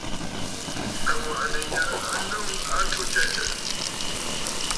Àŋwàʼànə̀ ya a nɔŋə a atu tabɛ̀rə̀.